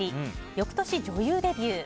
翌年女優デビュー。